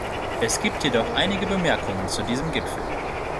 Es gibt jedoch einige Bemerkungen zu diesem Gipfel.